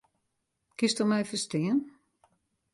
Kinsto my ferstean?